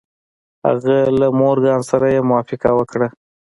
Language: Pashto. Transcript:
هغه له مورګان سره يې موافقه وکړه.